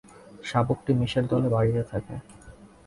শাবকটি মেষের দলে বাড়িতে থাকে।